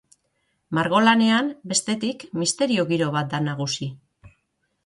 Margolanean, bestetik, misterio giro bat da nagusi.